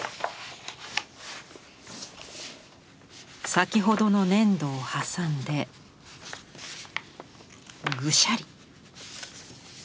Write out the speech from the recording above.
先ほどの粘土を挟んでぐしゃり。